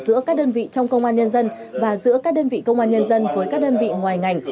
giữa các đơn vị trong công an nhân dân và giữa các đơn vị công an nhân dân với các đơn vị ngoài ngành